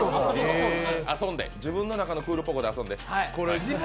自分の中のクールポコで遊んで。